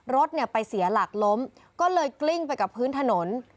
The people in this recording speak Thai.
รถเนี่ยไปเสียหลักล้มก็เลยกลิ้งไปกับพื้นถนน